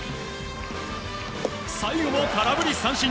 最後も空振り三振。